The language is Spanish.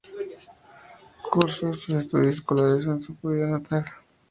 Cursó sus estudios escolares en su ciudad natal.